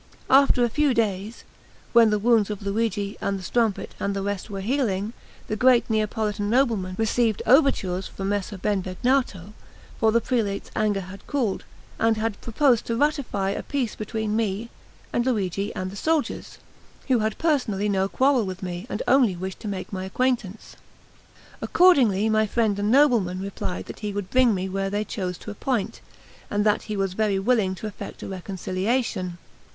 After a few days, when the wounds of Luigi, and the strumpet, and the rest were healing, this great Neapolitan nobleman received overtures from Messer Benvegnato; for the prelate's anger had cooled, and he proposed to ratify a peace between me and Luigi and the soldiers, who had personally no quarrel with me, and only wished to make my acquaintance. Accordingly my friend the nobleman replied that he would bring me where they chose to appoint, and that he was very willing to effect a reconciliation.